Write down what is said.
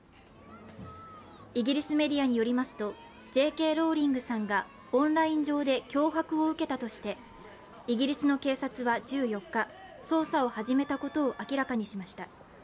イギリスメディアによりますとＪ・Ｋ・ローリングさんがオンリライン上で脅迫を受けたとしてイギリスの警察は１４日、捜査を始めたことを明らかにしました。